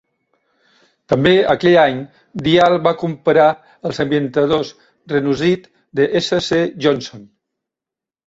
També aquell any, Dial va comprar els ambientadors Renuzit de S.C. Johnson.